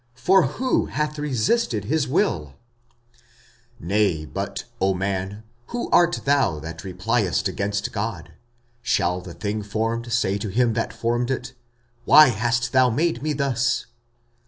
For who hath resisted his will? 45:009:020 Nay but, O man, who art thou that repliest against God? Shall the thing formed say to him that formed it, Why hast thou made me thus?